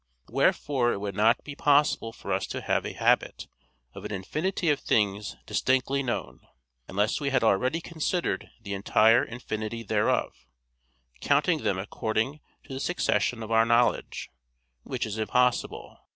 Wherefore it would not be possible for us to have a habit of an infinity of things distinctly known, unless we had already considered the entire infinity thereof, counting them according to the succession of our knowledge: which is impossible.